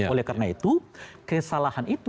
oleh karena itu kesalahan itu